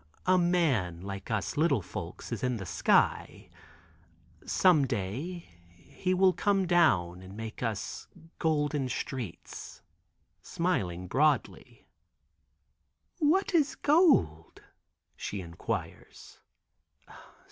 a man like us little folks is in the sky; some day he will come down and make us golden streets," smiling broadly. "What is gold?" she inquires.